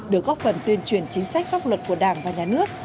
được góp phần tuyên truyền chính sách pháp luật của đảng và nhà nước